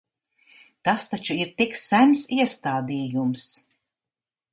Tas taču ir tik sens iestādījums!